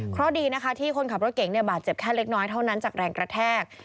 เพราะดีนะคะที่คนขับรถเก่งบาดเจ็บแค่เล็กน้อยเท่านั้นจากแรงกระแทก